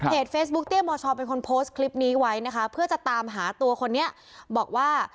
เฟซบุ๊กเตี้ยมชเป็นคนโพสต์คลิปนี้ไว้นะคะเพื่อจะตามหาตัวคนนี้บอกว่า